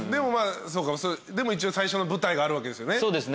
でも一応最初の舞台があるわけですよね？